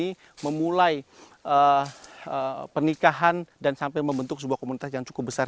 ini memulai pernikahan dan sampai membentuk sebuah komunitas yang cukup besar